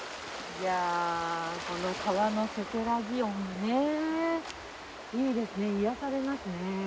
いやぁ、この川のせせらぎ音もね、いいですね、癒やされますね。